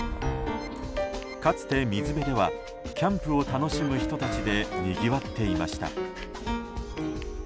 かつて、水辺ではキャンプを楽しむ人たちでにぎわっていました。